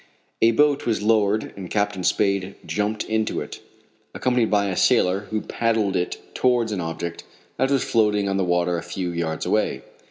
A boat was lowered and Captain Spade jumped into it, accompanied by a sailor, who paddled it towards an object that was floating on the water a few yards away.